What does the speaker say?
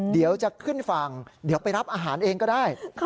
เดี๋ยวจะขึ้นฝั่งเดี๋ยวไปรับอาหารเองก็ได้